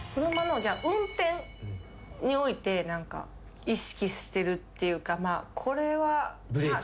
車の運転において何か意識してるっていうかこれは。